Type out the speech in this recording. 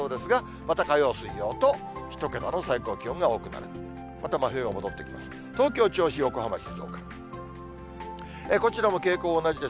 また真冬へ戻っていきます。